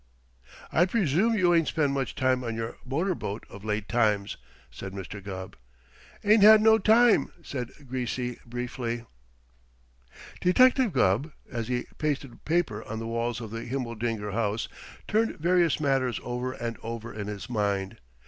"I presume you ain't spent much time on your motor boat of late times," said Mr. Gubb. "Ain't had no time," said Greasy briefly. Detective Gubb, as he pasted paper on the walls of the Himmeldinger house, turned various matters over and over in his mind.